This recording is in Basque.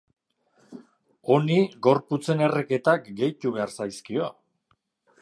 Honi gorputzen erreketak gehitu behar zaizkio.